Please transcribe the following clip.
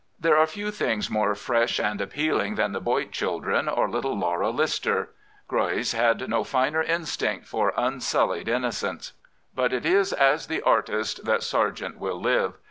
There are few things more fresh and appealing than the Boit children or little Laura Lister. Greuze had no finer instinct for unsullied innocence. But it is as the artist that Sargent will live.